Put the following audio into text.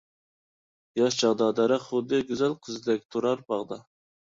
ياش چاغدا دەرەخ خۇددى گۈزەل قىزدەك تۇرار باغدا.